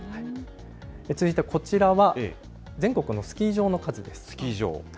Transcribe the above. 続いてこちらは、全国のスキー場の数です。